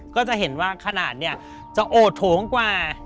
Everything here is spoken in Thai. ก็จะเห็นว่าขนาดเนี่ยจะโอดโถงกว่า